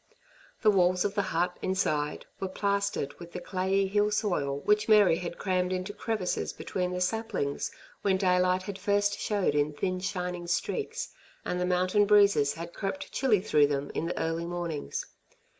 The walls of the hut, inside, were plastered with the clayey hill soil which Mary had rammed into crevices between the saplings when daylight had at first showed in thin shining streaks, and the mountain breezes had crept chilly through them in the early mornings.